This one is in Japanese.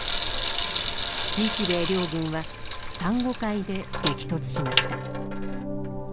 日米両軍は珊瑚海で激突しました。